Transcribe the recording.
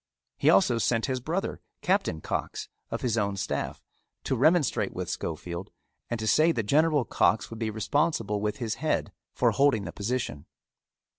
He also sent his brother, Captain Cox, of his own staff, to remonstrate with Schofield, and to say that General Cox would be responsible with his head for holding the position.